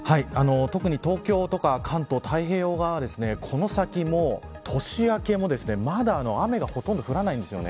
特に東京とか関東、太平洋側はこの先も年明けもまだ雨がほとんど降らないんですよね。